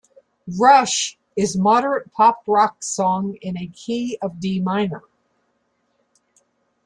"Rush" is moderate pop rock song in a key of D minor.